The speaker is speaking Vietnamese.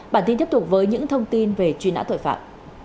bản tin tiếp tục với những thông tin về truy nã tội phạm